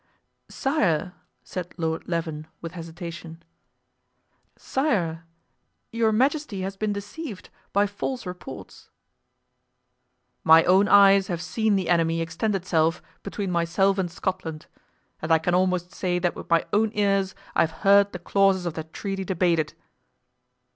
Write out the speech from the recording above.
"Sire," said Lord Leven, with hesitation, "sire, your majesty has been deceived by false reports." "My own eyes have seen the enemy extend itself between myself and Scotland; and I can almost say that with my own ears I have heard the clauses of the treaty debated."